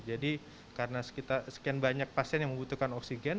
jadi karena sekian banyak pasien yang membutuhkan oksigen